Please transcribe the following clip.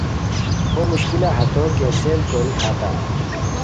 بومشکلہ ہتو کینسل کوری ہاتام